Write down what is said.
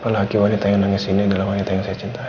lelaki wanita yang nangis ini adalah wanita yang saya cintai